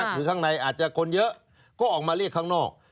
หรือข้างในอาจจะคนเยอะก็ออกมาเรียกข้างนอก